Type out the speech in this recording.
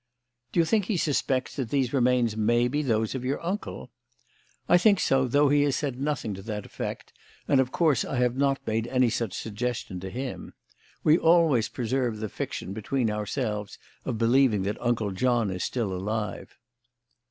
"Do you think he suspects that these remains may be those of your uncle?" "I think so, though he has said nothing to that effect, and, of course, I have not made any such suggestion to him. We always preserve the fiction between ourselves of believing that Uncle John is still alive."